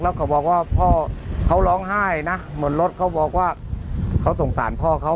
แล้วเขาบอกว่าพ่อเขาร้องไห้นะเหมือนรถเขาบอกว่าเขาสงสารพ่อเขา